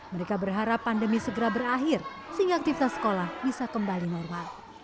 mereka berharap pandemi segera berakhir sehingga aktivitas sekolah bisa kembali normal